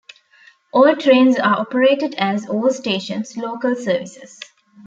All trains are operated as all-stations "Local" services.